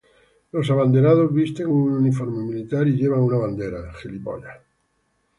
Los "abanderados" visten un uniforme militar y llevan una bandera.